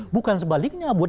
bukan sebaliknya buat